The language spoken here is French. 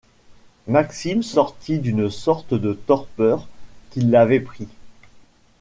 Maxime sortit d’une sorte de torpeur qui l’avait pris.